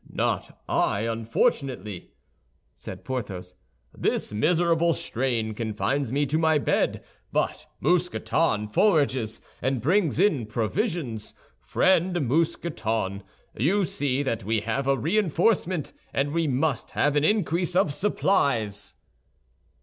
"Not I, unfortunately!" said Porthos. "This miserable strain confines me to my bed; but Mousqueton forages, and brings in provisions. Friend Mousqueton, you see that we have a reinforcement, and we must have an increase of supplies."